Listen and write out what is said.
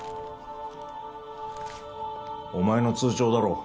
お前の通帳だろう